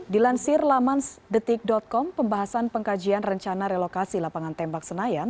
dilansir laman detik com pembahasan pengkajian rencana relokasi lapangan tembak senayan